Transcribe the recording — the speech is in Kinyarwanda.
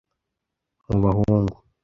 Mu bahungu